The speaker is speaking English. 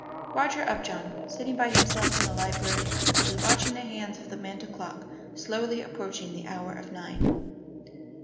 Roger Upjohn, sitting by himself in the library, was watching the hands of the mantel clock slowly approaching the hour of nine.